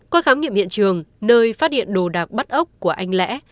qua khám nghiệm hiện trường nơi phát hiện đồ đạc bắt ốc của anh lẽ